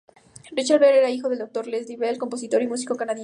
Richard Bell era hijo de Dr. Leslie Bell, compositor y músico canadiense.